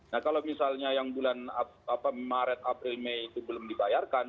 nah kalau misalnya yang bulan maret april mei itu belum dibayarkan